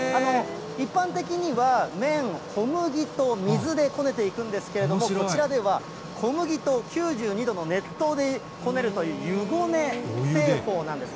一般的には、麺を小麦と水でこねていくんですけれども、こちらでは小麦と９２度の熱湯でこねるという、湯ごね製法なんです。